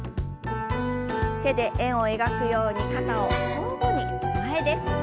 手で円を描くように肩を交互に前です。